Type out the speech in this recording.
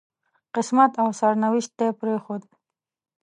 قسمت او سرنوشت ته پرېښود.